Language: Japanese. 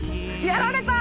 やられた！